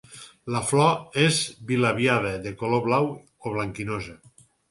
La flor és bilabiada de color blau o blanquinosa.